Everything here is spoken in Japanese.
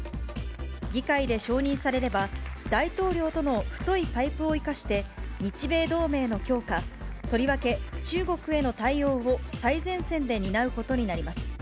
議会で承認されれば、大統領との太いパイプを生かして日米同盟の強化、とりわけ中国への対応を最前線で担うことになります。